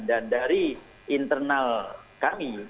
dan dari internal kami